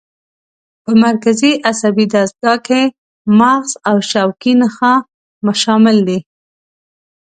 په مرکزي عصبي دستګاه کې مغز او شوکي نخاع شامل دي.